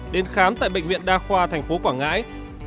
đến khám tại bệnh viện đa khoa tp quảng ngãi